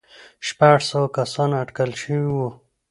شپږ سوه کسان اټکل شوي وو.